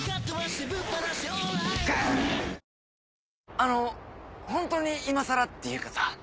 あのホントに今更っていうかさ。